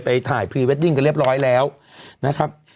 ถ่ายพรีเวดดิ้งกันเรียบร้อยแล้วนะครับ